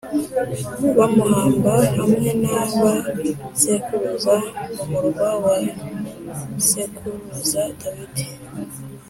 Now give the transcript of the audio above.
bamuhamba hamwe na ba sekuruza mu murwa wa sekuruza Dawidi